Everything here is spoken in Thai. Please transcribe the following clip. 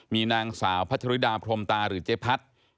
มีนางสาวพัชริดาพรมตาหรือเจ๊พัด